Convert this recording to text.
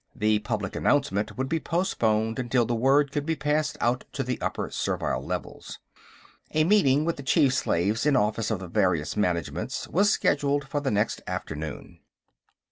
The public announcement would be postponed until the word could be passed out to the upper servile levels. A meeting with the chief slaves in office of the various Managements was scheduled for the next afternoon.